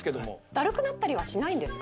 だるくなったりしないんですか？